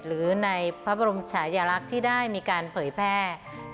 หรือในพระบรพรุมฉายารักษ์ที่ได้มีการเป่อยแพร่